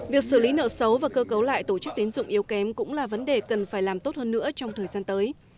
việc xử lý nợ xấu và cơ cấu lại tổ chức tín dụng yếu kém cũng là vấn đề cần phải làm tốt hơn nữa trong thời gian tới